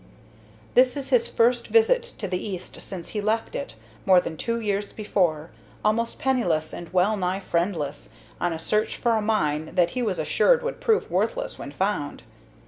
This is his first visit to the East since he left it, more than two years before, almost penniless and wellnigh friendless, on a search for a mine that he was assured would prove worthless when found.